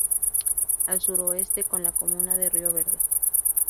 Al suroeste con la comuna de Río Verde.